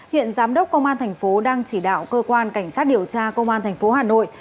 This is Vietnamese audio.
hiện giám đốc công an tp đang chỉ đạo cơ quan cảnh sát điều tra công an tp hà nội